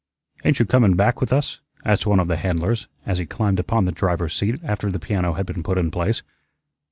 "Ain't you coming back with us?" asked one of the handlers as he climbed upon the driver's seat after the piano had been put in place.